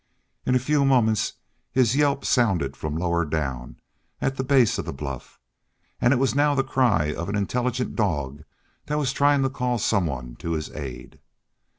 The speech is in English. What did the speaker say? In a few moments his yelp sounded from lower down, at the base of the bluff, and it was now the cry of an intelligent dog that was trying to call some one to his aid.